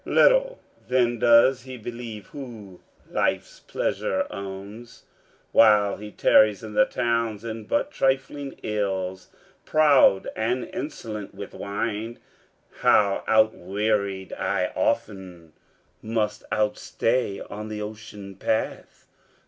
Little then does he believe who life's pleasure owns, While he tarries in the towns, and but trifling ills, Proud and insolent with wine how out wearied I Often must outstay on the ocean path!